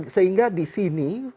sehingga di sini